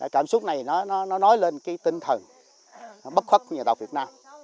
cảm xúc này nó nói lên cái tinh thần bất khuất của nhà tộc việt nam